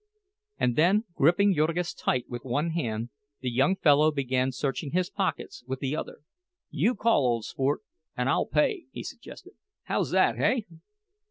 And then, gripping Jurgis tight with one hand, the young fellow began searching his pockets with the other. "You call, ole sport, an' I'll pay," he suggested. "How's that, hey?"